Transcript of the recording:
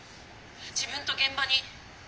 自分と現場に。